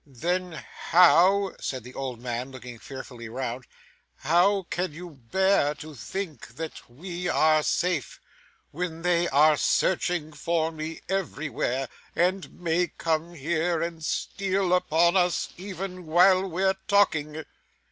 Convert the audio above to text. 'Then how,' said the old man, looking fearfully round, 'how can you bear to think that we are safe, when they are searching for me everywhere, and may come here, and steal upon us, even while we're talking?